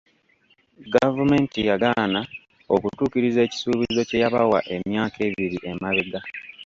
Gavumenti yagaana okutuukiriza ekisuubizo kye yabawa emyaka ebiri emabega.